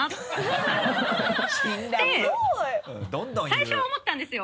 最初は思ったんですよ。